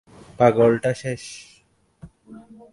পাগল টা শেষ।